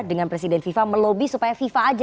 dengan presiden fifa melobi supaya fifa aja